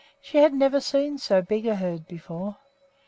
She had never seen so big a herd before.